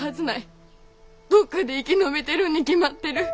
どっかで生き延びてるに決まってる。